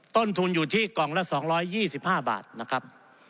ต้นทุนอยู่ที่กล่องละสองร้อยยี่สิบห้าบาทนะครับ